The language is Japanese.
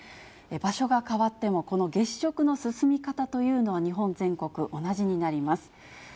場所が変わってもこの月食の進み方というのは日本全国同じになります。